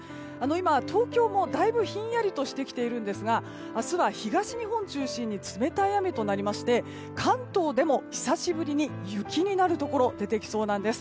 今、東京もだいぶひんやりとしてきているんですが明日は東日本中心に冷たい雨となりまして関東でも久しぶりに雪になるところ出てきそうです。